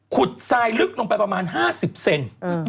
ทรายลึกลงไปประมาณ๕๐เซน